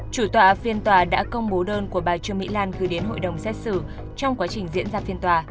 chủ tọa phiên tòa đã công bố đơn của bà trương mỹ lan gửi đến hội đồng xét xử trong quá trình diễn ra phiên tòa